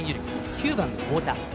９番の太田。